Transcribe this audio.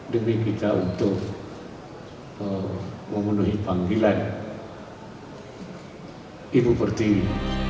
demi kita untuk memenuhi panggilan ibu pertiwi